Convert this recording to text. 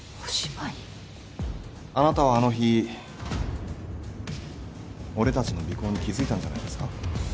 あなたはあの日俺たちの尾行に気付いたんじゃないですか？